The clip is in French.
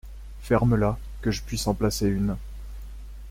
Ferme-la, que je puisse en placer une !